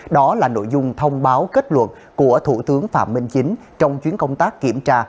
đó là nội dung thông báo kết luận của thủ tướng phạm minh chính trong chuyến công tác kiểm tra